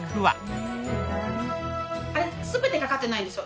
あれ全てかかってないんですよ